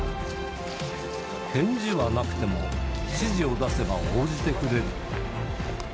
返事はなくても、指示を出せば応じてくれる。